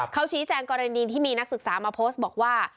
เขาชี้แจงกรณีที่มีนักศึกษามาโพสต์บอกว่า